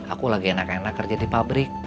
aku lagi enak enak kerja di pabrik